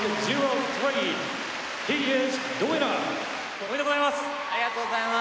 おめでとうございます。